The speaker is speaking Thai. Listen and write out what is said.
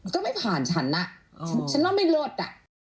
ก็ไม่ผ่านฉันอ่ะฉันว่าไม่ลดอ่ะ